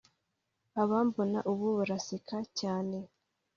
abambona ubu baraseka cyane